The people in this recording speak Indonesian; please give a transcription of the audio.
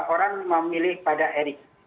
orang memilih pada erick